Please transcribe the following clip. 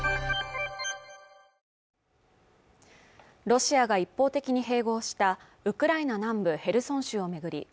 ロシアが一方的に併合したウクライナ南部ヘルソン州を巡り